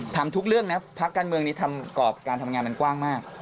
ทำทุกเรื่องนะพักการเมืองนี้ทำกรอบการทำงานมันกว้างมาก